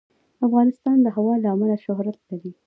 افغانستان د هوا له امله شهرت لري.